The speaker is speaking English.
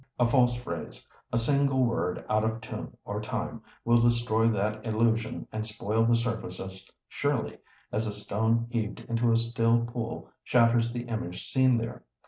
A false phrase, a single word out of tune or time, will destroy that illusion and spoil the surface as surely as a stone heaved into a still pool shatters the image seen there.